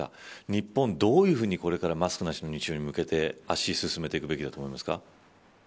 日本はこれからどういうふうにマスクなしの日常に向けて足を進めていくべきだと思いますか。